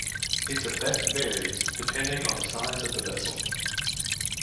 Its effect varies, depending on the size of the vessel.